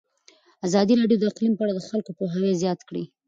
ازادي راډیو د اقلیم په اړه د خلکو پوهاوی زیات کړی.